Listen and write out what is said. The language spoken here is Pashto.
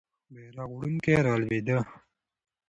بیرغ وړونکی رالوېده.